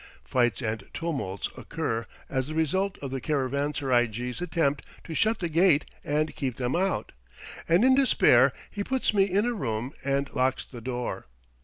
Fights and tumults occur as the result of the caravanserai jee's attempt to shut the gate and keep them out, and in despair he puts me in a room and locks the door.